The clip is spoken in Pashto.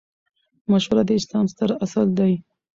مشوره د اسلام ستر اصل دئ.